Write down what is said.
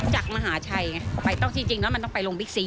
จากมหาชัยไงต้องจริงแล้วมันต้องไปลงบิ๊กซี